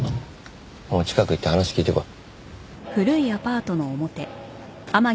お前近く行って話聞いてこい。